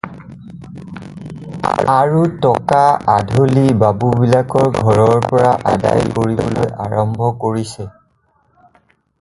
আৰু টকা, আধলি, বাবুবিলাকৰ ঘৰৰ পৰা আদায় কৰিবলৈ আৰম্ভ কৰিছে।